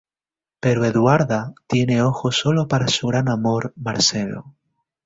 Pero Eduarda tiene ojos sólo para su gran amor, Marcelo.